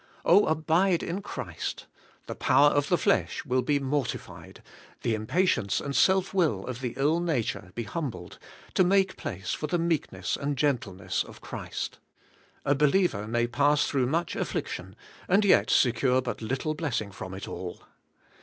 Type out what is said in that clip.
abide in Christ: the power of the flesh will be mortified, the 10 146 ABIDE IN CHRIST: impatience and self will of the ill nature be humbled, to make place for the meekness and gentleness of Christ. A believer may pass through much affliction, and yet secure but little blessing from it all.